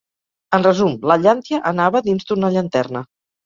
En resum: la llàntia anava dins d’una llanterna.